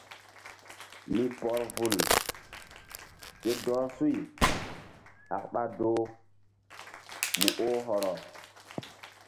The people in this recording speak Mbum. Mi pɔr vul ke dɔh suy hak ɓa doh mu oh hɔrɔ.